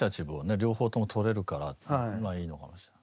両方ともとれるからまあいいのかもしれない。